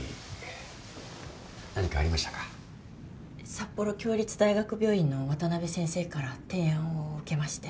札幌共立大学病院の渡辺先生から提案を受けまして。